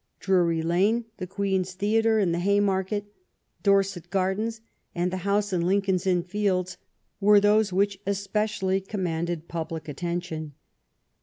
Drury Lane, the Queen's Theatre, in the Haymarket, Dorset Gardens, and the house in Lincoln's Inn Fields were those which especially commanded public attention.